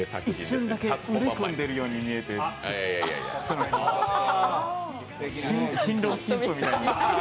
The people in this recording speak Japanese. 一瞬だけ腕組んでいるように見えて新郎新婦みたいに。